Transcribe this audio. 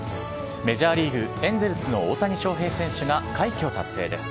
メジャーリーグ・エンゼルスの大谷翔平選手が快挙達成です。